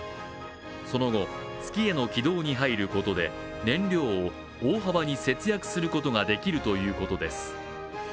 その後、月への軌道に入ることで、燃料を大幅に節約することができるということです。